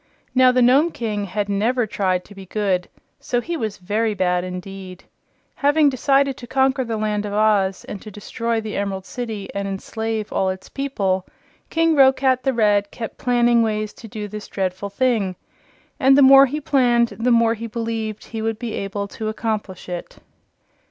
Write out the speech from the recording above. Now, the Nome King had never tried to be good, so he was very bad indeed. Having decided to conquer the Land of Oz and to destroy the Emerald City and enslave all its people, King Roquat the Red kept planning ways to do this dreadful thing, and the more he planned the more he believed he would be able to accomplish it.